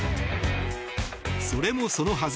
それもそのはず